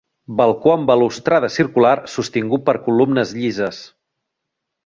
Balcó amb balustrada circular sostingut per columnes llises.